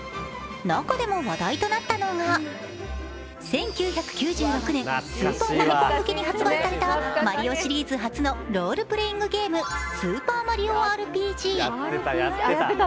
中でも話題となったのが１９９６年、スーパーファミコン向けに発売された「マリオ」シリーズ初のロールプレイングゲーム「スーパーマリオＲＰＧ」。